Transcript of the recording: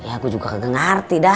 ya aku juga kagak ngerti dah